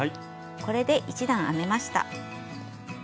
これで１段編めました。